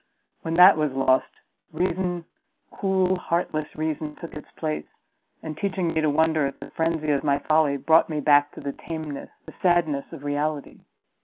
when that was lost, reason, cool, heartless reason, took its place, and teaching me to wonder at the frenzy of my folly, brought me back to the tameness the sadness of reality!"